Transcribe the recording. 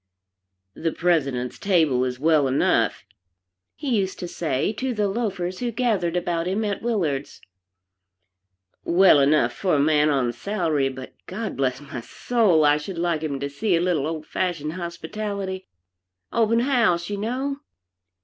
"The President's table is well enough," he used to say, to the loafers who gathered about him at Willard's, "well enough for a man on a salary, but God bless my soul, I should like him to see a little old fashioned hospitality open house, you know.